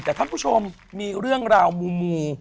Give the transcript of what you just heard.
แต่ท่านผู้ชมมีเรื่องราวมู